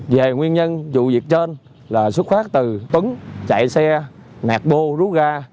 về nguyên nhân vụ việc trên là xuất phát từ tuấn chạy xe nạt bô rú ga